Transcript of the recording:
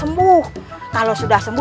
lebih ada masalah bu